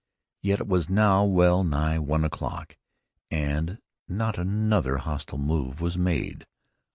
Yet it was now well nigh one o'clock and not another hostile move was made.